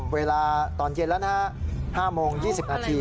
เวลาตอนเย็นแล้วนะฮะ๕โมง๒๐นาที